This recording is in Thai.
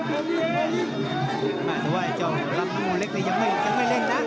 คิดว่าไอ้เจ้าหลับมูลเล็กเลยยังไม่เร่งนะ